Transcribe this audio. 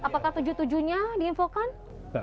apakah tujuh tujuhnya diinfokan